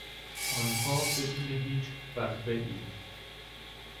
آنها بدون هیچ وقفهای